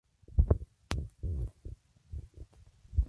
Sin embargo, no hay resultados convincentes.